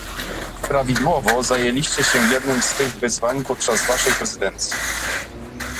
Prawidłowo zajęliście się jednym z tych wyzwań podczas waszej prezydencji